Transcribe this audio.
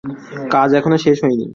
কাজ এখনও শেষ হয়নি।